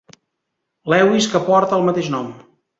Lewis que porta el mateix nom.